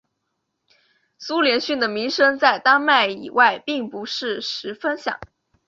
苏连逊的名声在丹麦以外并不是十分响。